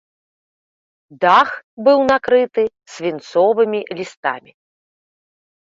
Дах быў накрыты свінцовымі лістамі.